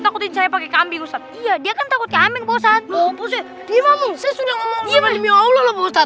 takutin saya pakai kambing ustadz iya dia kan takutnya amin bosan mau mau sudah ngomong